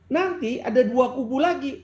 nanti ada dua kubu lagi